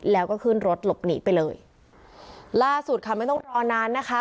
แล้วก็ขึ้นรถหลบหนีไปเลยล่าสุดค่ะไม่ต้องรอนานนะคะ